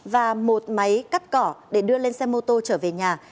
và một máy cắt cỏ để đưa lên xe mô tô trở về nhà